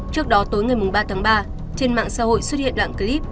trước đó tối ngày ba tháng ba trên mạng xã hội xuất hiện đoạn clip